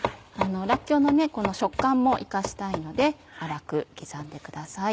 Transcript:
らっきょうのこの食感も生かしたいので粗く刻んでください。